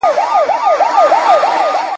ورځ یې شېبه وي شپه یې کال وي زما او ستا کلی دی ..